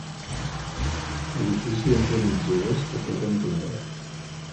Edifici entre mitgeres que fa cantonada.